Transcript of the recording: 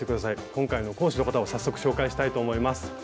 今回の講師の方を早速紹介したいと思います。